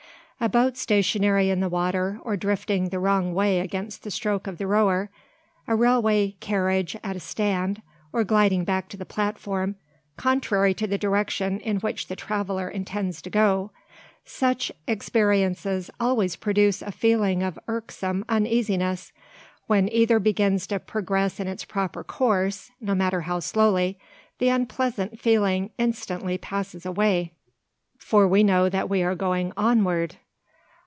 A boat stationary in the water, or drifting the wrong way against the stroke of the rower, a railway carriage at a stand, or gliding back to the platform, contrary to the direction in which the traveller intends to go, such experiences always produce a feeling of irksome uneasiness. When either begins to progress in its proper course, no matter how slowly, the unpleasant feeling instantly passes away; for we know that we are going "onward!"